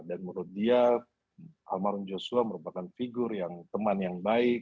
dan menurut dia almarhum yosua merupakan figur yang teman yang baik